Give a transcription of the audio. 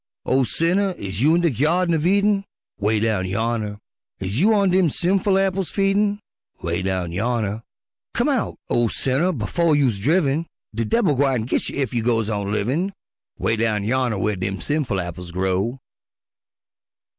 Oh, sinner, is you in de Gyardin uv Eden? ('Way down yonner) Is you on dem sinful apples feedin'? ('Way down yonner) Come out, oh, sinner, befo' youse driven, De debil gwine git you ef you goes on livin' 'Way down yonner whar dem sinful apples grow!